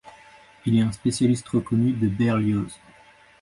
Il est un spécialiste reconnu de Berlioz.